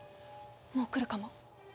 もう来るかも。